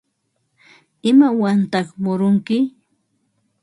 ¿Imawantaq murunki?